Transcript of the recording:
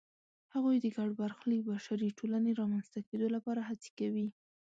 هغوی د ګډ برخلیک بشري ټولنې رامنځته کېدو لپاره هڅې کوي.